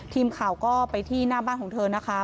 ทีมข่าวก็ไปที่หน้าบ้านของเธอนะคะ